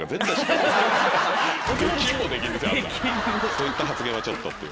「そういった発言はちょっと」っていう。